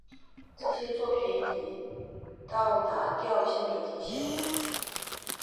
这些作品已到达调性的底线。